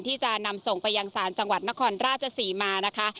ที่จะนำส่งไปยังศาลจังหวัดนครราชศรีมานะคะ